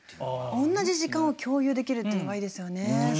おんなじ時間を共有できるっていうのがいいですよね。